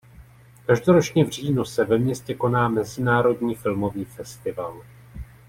Každoročně v říjnu se ve městě koná mezinárodní filmový festival.